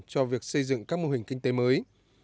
cho việc xây dựng các mô hình kinh tế mới